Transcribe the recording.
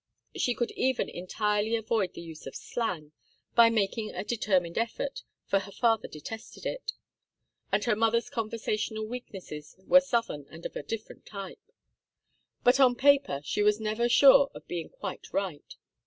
She could even entirely avoid the use of slang, by making a determined effort, for her father detested it, and her mother's conversational weaknesses were Southern and of a different type. But on paper she was never sure of being quite right.